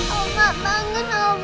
oma bangun oma